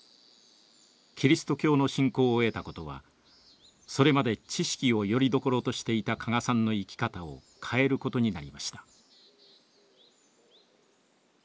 キリスト教の信仰を得たことはそれまで知識をよりどころとしていた加賀さんの生き方を変えることになりました。